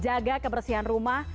jaga kebersihan rumah